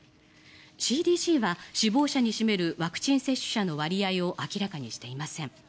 ＣＤＣは死亡者に占めるワクチン接種者の割合を明らかにしていません。